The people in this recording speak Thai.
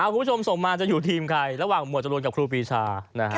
คุณผู้ชมส่งมาจะอยู่ทีมใครระหว่างหวดจรูนกับครูปีชา